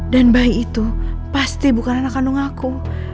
dan bayi itu pasti bukan anak kandung aku